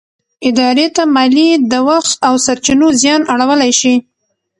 ادارې ته مالي، د وخت او سرچينو زیان اړولی شي.